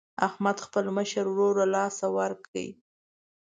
احمد خپل مشر ورور له لاسه ورکړ.